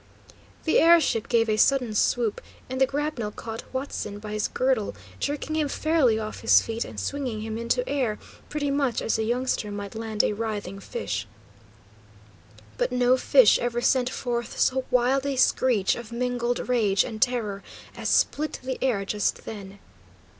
The air ship gave a sudden swoop, and the grapnel caught Huatzin by his girdle, jerking him fairly off his feet, and swinging him into air, pretty much as a youngster might land a writhing fish. But no fish ever sent forth so wild a screech of mingled rage and terror as split the air just then.